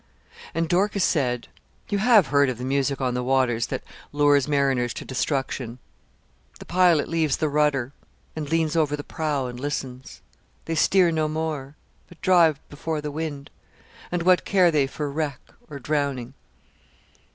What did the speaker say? And Dorcas said 'You have heard of the music on the waters that lures mariners to destruction. The pilot leaves the rudder, and leans over the prow, and listens. They steer no more, but drive before the wind; and what care they for wreck or drowning?'